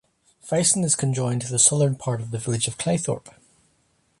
Fieston is conjoined to the southern part of the village of Caythorpe.